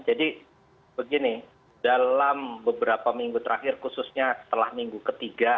jadi begini dalam beberapa minggu terakhir khususnya setelah minggu ketiga januari kemarin